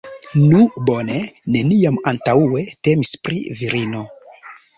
Nu, bone, neniam antaŭe temis pri virino.